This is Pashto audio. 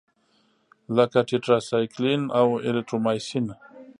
لکه ټیټرایسایکلین او اریترومایسین.